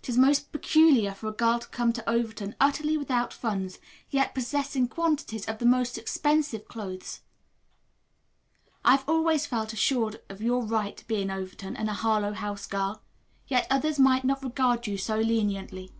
It is most peculiar for a girl to come to Overton utterly without funds, yet possessing quantities of the most expensive clothes. I have always felt assured of your right to be an Overton and a Harlowe House girl, yet others might not regard you so leniently.